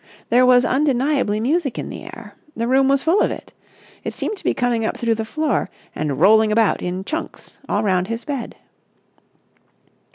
There was undeniably music in the air. The room was full of it. It seemed to be coming up through the floor and rolling about in chunks all round his bed.